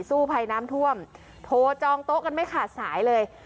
สู้ภัยน้ำท่วมโทรจองโต๊ะกันไม่ขาดสายเลย